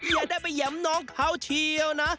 อย่าได้ไปแหย่มน้องเขาเชียวนะ